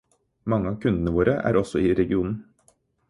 Mange av kundene våre er også i regionen.